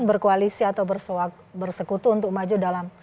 berkoalisi atau bersekutu untuk maju dalam